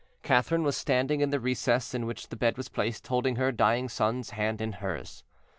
Catherine was standing in the recess in which the bed was placed, holding her dying son's hand in hers.